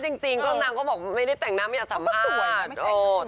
จริงก็นางก็บอกไม่ได้แต่งหน้าไม่อยากสัมภาษณ์